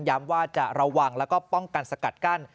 ว่าจะระวังแล้วก็ป้องกันสกัดกั้น